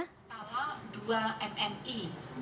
setelah dua mni